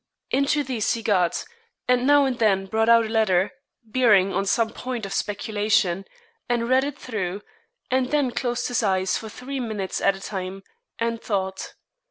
Into these he got, and now and then brought out a letter bearing on some point of speculation, and read it through, and then closed his eyes for three minutes at a time, and thought.